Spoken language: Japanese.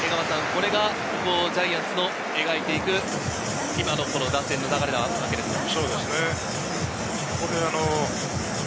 これがジャイアンツの描いていく今の打線の流れなわけですか？